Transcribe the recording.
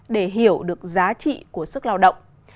để hiểu được giá trị của sức lao động